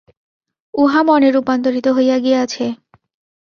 উহা মনে রূপান্তরিত হইয়া গিয়াছে।